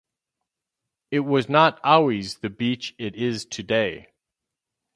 It was not always the beach it is today.